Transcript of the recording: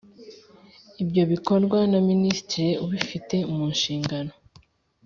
Ibyo bikorwa na minisitiri ubifite mu nshingano